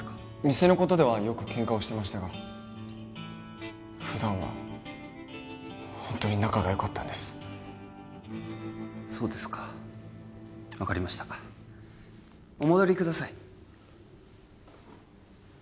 店のことではよくケンカをしてましたが普段はホントに仲が良かったんですそうですか分かりましたお戻りください